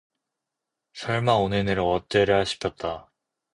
설마 오늘 내로 어떠랴 싶었다.